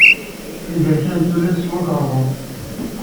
Izerfan n tullas ttwarekḍen.